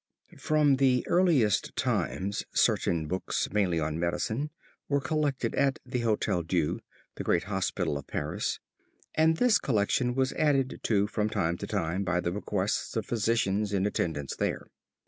From the earliest times certain books, mainly on medicine, were collected at the Hotel Dieu, the great hospital of Paris, and this collection was added to from time to time by the bequests of physicians in attendance there.